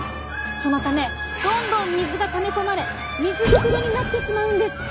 そのためどんどん水がため込まれ水ぶくれになってしまうんです。